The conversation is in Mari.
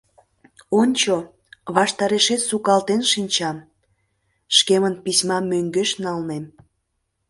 Ончо, ваштарешет сукалтен шинчам — шкемын письмам мӧҥгеш налнем.